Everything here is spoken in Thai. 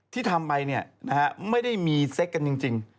ที่ทำไปไม่ได้มีเซ็กกันจริง